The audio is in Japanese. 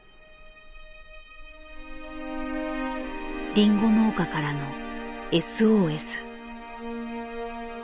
リンゴ農家からのＳＯＳ。